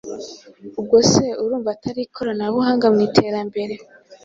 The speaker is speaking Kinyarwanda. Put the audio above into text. Ubwo se urumva atari ikoranabuhanga mu iterambere?